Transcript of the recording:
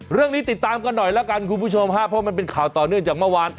เรื่องนี้ติดตามกันหน่อยแล้วกันคุณผู้ชมฮะเพราะมันเป็นข่าวต่อเนื่องจากเมื่อวาน